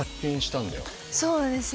そうですね！